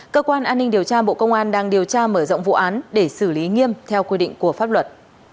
cơ quan an ninh điều tra bộ công an đang điều tra mở rộng vụ án để xử lý nghiêm theo quy định của pháp luật